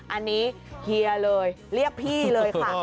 อันนี้เฮียเลยเรียกพี่เลยค่ะ